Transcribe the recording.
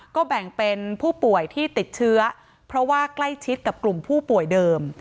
ก็แบ่งเป็นผู้ป่วยที่ติดเชื้อเพราะว่าใกล้ชิดกับกลุ่มผู้ป่วยเดิม